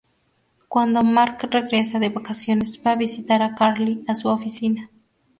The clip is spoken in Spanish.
Cuando Mark regresa de vacaciones, va a visitar a Carly a su oficina.